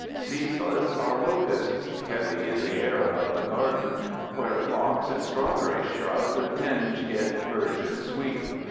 Ceaseless are locusts; heavy is the air above the garden, where phlox and strawberry shrub tinge it Persian sweet.